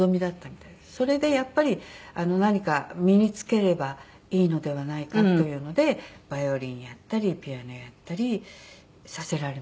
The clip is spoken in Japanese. それでやっぱり何か身につければいいのではないかというのでバイオリンやったりピアノやったりさせられました。